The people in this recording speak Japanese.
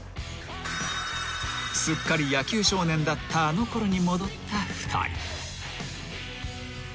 ［すっかり野球少年だったあの頃に戻った２人］